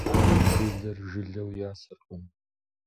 Делэр жылэу ясэркъым.